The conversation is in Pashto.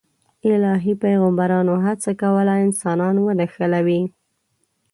الهي پیغمبرانو هڅه کوله انسانان ونښلوي.